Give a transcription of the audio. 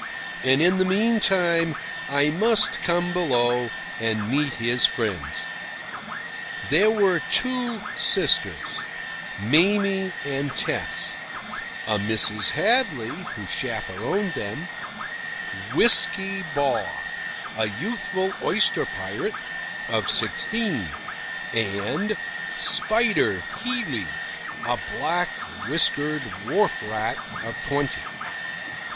And in the meantime I must come below and meet his friends. They were two sisters, Mamie and Tess; a Mrs. Hadley, who chaperoned them; "Whisky" Bob, a youthful oyster pirate of sixteen; and "Spider" Healey, a black whiskered wharf rat of twenty.